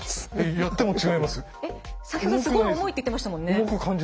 先ほどすごい重いって言ってましたもんね。